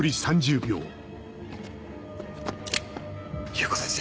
裕子先生